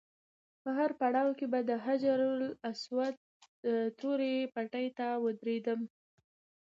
په هر پړاو کې به د حجر اسود تورې پټۍ ته ودرېدم.